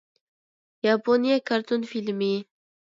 ياپونىيە كارتون فىلىمى